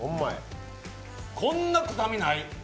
こんな臭みない？